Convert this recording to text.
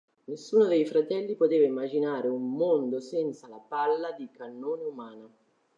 Nessuno dei fratelli poteva immaginare un mondo senza la palla di cannone umana.